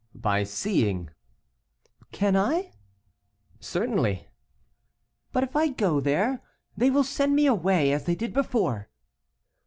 "By seeing." "Can I?" "Certainly." "But if I go there, they win send me away, as they did before."